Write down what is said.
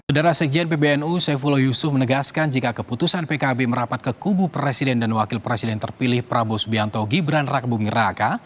saudara sekjen pbnu saifullah yusuf menegaskan jika keputusan pkb merapat ke kubu presiden dan wakil presiden terpilih prabowo subianto gibran raka buming raka